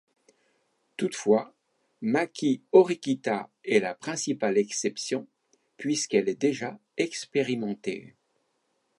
Toutefois Maki Horikita est la principale exception puisqu'elle est déjà expérimentée.